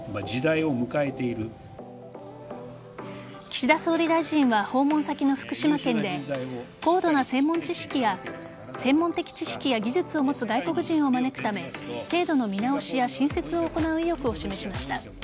岸田総理大臣は訪問先の福島県で高度な専門的知識や技術を持つ外国人を招くため制度の見直しや新設を行う意欲を示しました。